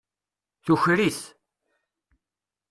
Tuker-it.